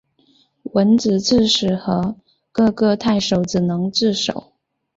交址刺史和各个太守只能自守。